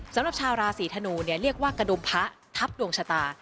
สำหรับชาวราศีธนูเนี่ยเรียกว่ากระดุมพระทับดวงชะตา